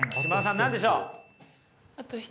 何でしょう？